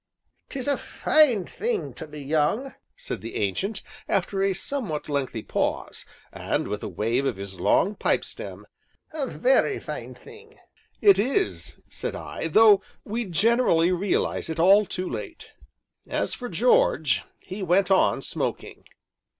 "'Tis a fine thing to be young," said the Ancient, after a somewhat lengthy pause, and with a wave of his long pipe stem, "a very fine thing!" "It is," said I, "though we generally realize it all too late." As for George, he went on smoking.